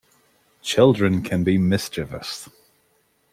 Children can be mischievous.